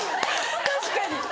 確かに。